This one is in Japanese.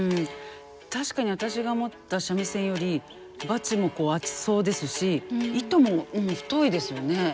確かに私が持った三味線よりバチも厚そうですし糸も太いですよね。